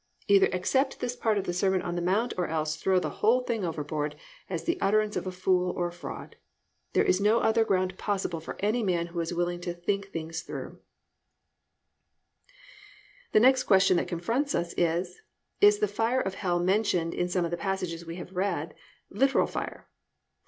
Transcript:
Either accept this part of the Sermon on the Mount or else throw the whole thing overboard as the utterance of a fool or a fraud. There is no other ground possible for any man who is willing to think things through. III. IS THE FIRE OF HELL LITERAL FIRE? The next question that confronts us is, Is the fire of hell mentioned in some of the passages we have read, literal fire?